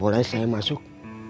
boleh saya masuk